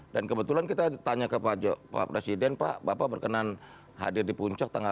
dan kebetulan kita tanya ke pak presiden pak bapak berkenan hadir di puncak